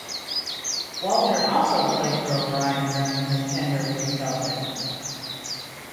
Walter also played for O'Brien during his tenure with the Celtics.